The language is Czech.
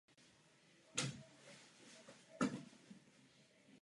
Byl uveden do Síně slávy network marketingu.